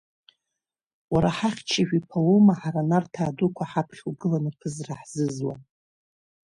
Уара ҳахьчажә иԥа уоума ҳара, Нарҭаа дуқәа ҳаԥхьа угыланы, ԥызара ҳзызуа?